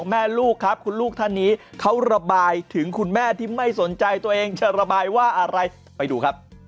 แม่หนูชื่อยายหนีบนะแต่แม่หนูชอบจะหาเห็บให้หมาไม่ยอมหาเหาให้หนู